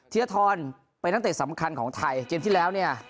เทียร์ทอนไปตั้งแต่สำคัญของไทยเกมที่แล้วเนี่ย